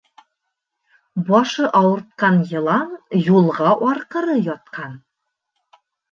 Башы ауыртҡан йылан юлға арҡыры ятҡан.